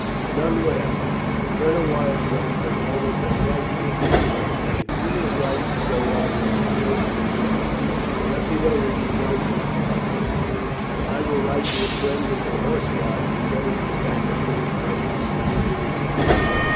"None whatever. Colonel Wyatt's sons have almost a right to a commission. If you will write to Sir Robert Wilson at once, and let me know when you get his reply, I will write to a friend at the Horse guards and get him to back up the request as soon as it is sent in."